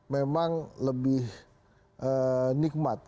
memang lebih nikmat